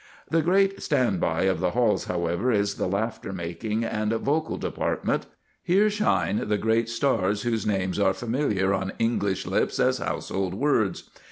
The great stand by of the halls, however, is the laughter making and vocal department. Here shine the great stars whose names are familiar on English lips as household words.